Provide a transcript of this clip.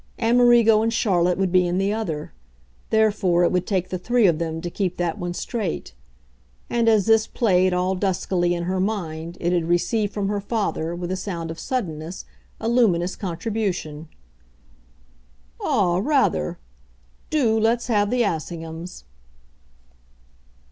Amerigo and Charlotte would be in the other; therefore it would take the three of them to keep that one straight. And as this played, all duskily, in her mind it had received from her father, with a sound of suddenness, a luminous contribution. "Ah, rather! DO let's have the Assinghams."